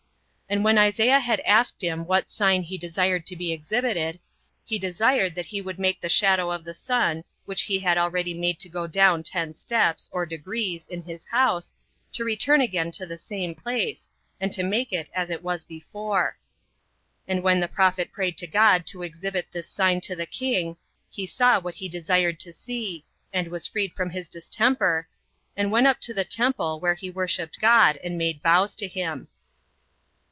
And when Isaiah had asked him what sign he desired to be exhibited, he desired that he would make the shadow of the sun, which he had already made to go down ten steps [or degrees] in his house, to return again to the same place, 5 and to make it as it was before. And when the prophet prayed to God to exhibit this sign to the king, he saw what he desired to see, and was freed from his distemper, and went up to the temple, where he worshipped God, and made vows to him.